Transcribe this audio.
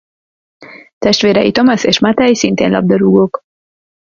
Testvérei Tomas és Matej szintén labdarúgók.